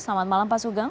selamat malam pak sugeng